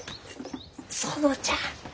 園ちゃん！